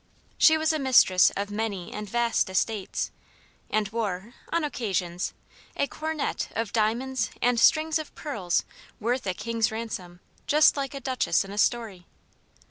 She was mistress of many and vast estates, and wore on occasions a coronet of diamonds and strings of pearls "worth a king's ransom," just like a duchess in a story.